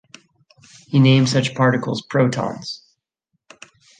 He named such particles protons.